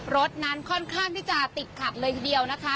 รถนั้นค่อนข้างที่จะติดขัดเลยทีเดียวนะคะ